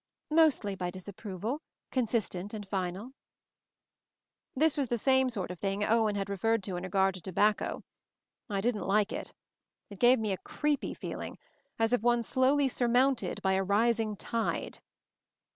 "Mostly by disapproval, consistent and final." This was the same sort of thing Owen had referred to in regard to tobacco. I didn't like it. It gave me a creepy feeling, as of one slowly surmounted by a rising tide.